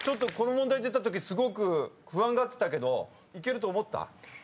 この問題出たときすごく不安がってたけどいけると思った？